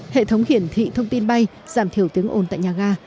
hệ thống hiển thị thông tin bay giảm thiểu tiếng ồn tại nhà ga